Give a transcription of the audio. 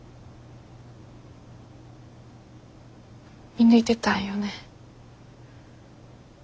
見抜いてたんよね。